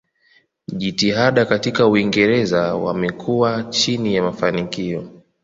Jitihada katika Uingereza wamekuwa chini ya mafanikio.